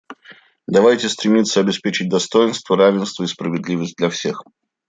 Давайте стремиться обеспечить достоинство, равенство и справедливость для всех.